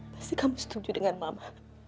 pasti kamu setuju dengan mama